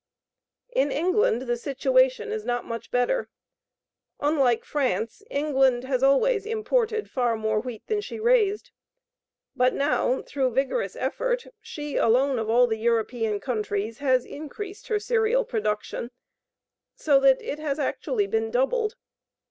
In England the situation is not much better. Unlike France, England has always imported far more wheat than she raised. But now through vigorous effort she alone of all the European countries has increased her cereal production so that it has actually been doubled.